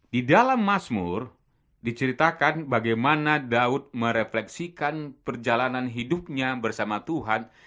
di dalam masmur diceritakan bagaimana daud merefleksikan perjalanan hidupnya bersama tuhan